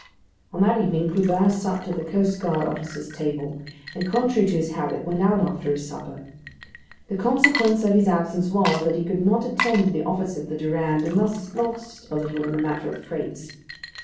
On that evening, Clubin supped at the coast guard officers' table; and, contrary to his habit, went out after his supper. The consequence of his absence was, that he could not attend to the office of the Durande, and thus lost a little in the matter of freights.